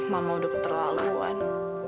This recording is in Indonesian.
mama udah keterlaluan